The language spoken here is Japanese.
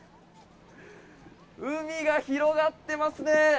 海が広がってますね。